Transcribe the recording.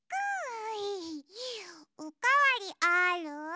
おかわりある？